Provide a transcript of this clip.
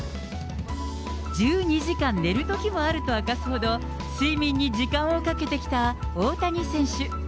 １２時間寝るときもあると明かすほど、睡眠に時間をかけてきた大谷選手。